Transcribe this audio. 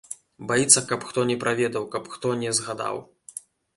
Баіцца, каб хто не праведаў, каб хто не згадаў.